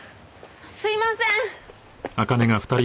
すいません！